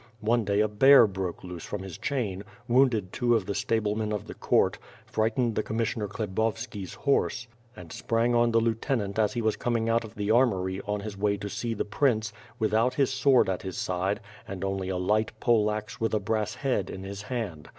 One day a bear broke loose from his chain, wounded two of the sta])lcnipn of the court, frightened the Commissioner Khlebovski's hor^e, and sprang on the lieutenant as he was coming out of the armory on his way to see the prince, without his sword at his side, and only a light pole axe, with a brass head in his hand.